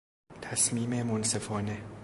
تصمیم منصفانه